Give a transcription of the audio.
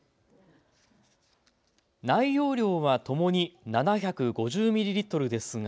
内容量はともに７５０ミリリットルですが。